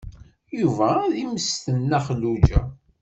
Yuba ad immesten Nna Xelluǧa.